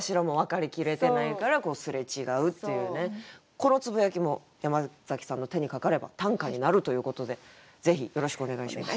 このつぶやきも山崎さんの手にかかれば短歌になるということでぜひよろしくお願いします。